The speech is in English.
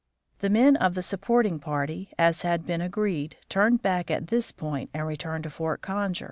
The men of the supporting party, as had been agreed, turned back at this point and returned to Fort Conger.